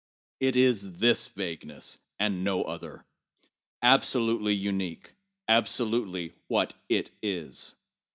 It is this vagueness, and no other; absolutely unique, absolutely what it is.